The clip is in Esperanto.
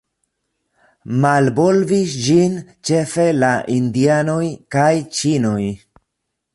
Malvolvis ĝin ĉefe la Indianoj kaj Ĉinoj.